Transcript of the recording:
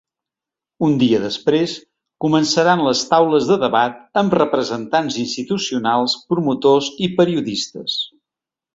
Un dia després començaran les taules de debat amb representants institucionals, promotors i periodistes.